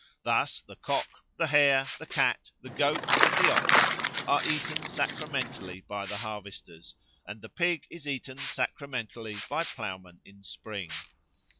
Thus the cock, the hare, the cat, the goat, and the OX are eaten sacramentally by the harvester, and the pig is eaten sacramentally by ploughmen in spring.